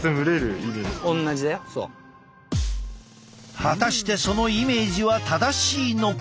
果たしてそのイメージは正しいのか？